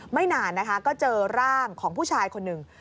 ไม่นานนะคะก็เจอร่างของผู้ชายคนหนึ่ง